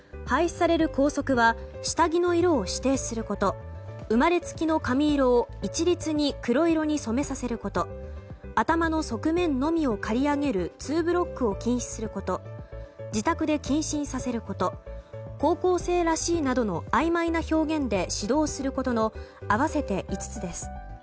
廃止される校則は下着の色を指定すること生まれつきの髪色を一律に黒色に染めさせること頭の側面のみを刈り上げるツーブロックを禁止すること自宅で謹慎させること高校生らしいなどのあいまいな表現で指導することの合わせて５つです。